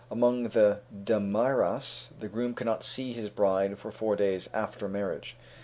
Among the Damaras, the groom cannot see his bride for four days after marriage.